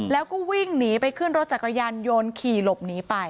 แล้วก็วิ่งหนีไปขึ้นรถจักรยานยนต์ขี่หลบหนีไป